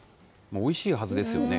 おいしいはずですよね。